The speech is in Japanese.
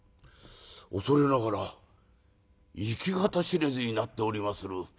「恐れながら行き方知れずになっておりまする。